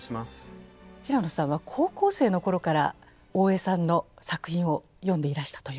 平野さんは高校生の頃から大江さんの作品を読んでいらしたということですが。